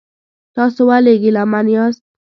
تاسو ولې ګیلمن یاست؟